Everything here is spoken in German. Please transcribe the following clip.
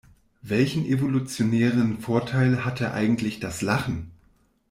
Welchen evolutionären Vorteil hatte eigentlich das Lachen?